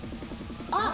あっ。